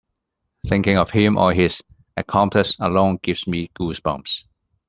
Thinking of him or his accomplice alone gives me goose bumps.